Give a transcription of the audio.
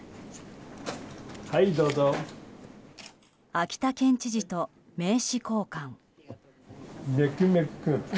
秋田県知事と名刺交換。